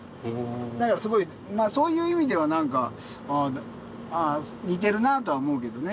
だから、すごい、そういう意味ではなんか、似てるなとは思うけどね。